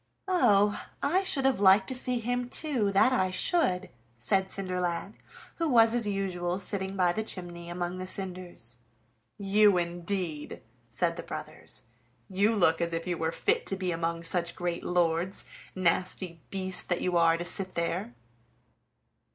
"Oh! I should have liked to see him too, that I should," said Cinderlad, who was as usual sitting by the chimney among the cinders. "You, indeed!" said the brothers, "you look as if you were fit to be among such great lords, nasty beast that you are to sit there!"